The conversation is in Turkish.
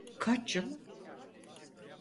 Kaç yıl?